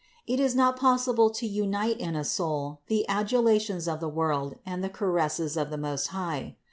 It is not possible to unite in a soul the adulations of the world and the caresses of the Most High.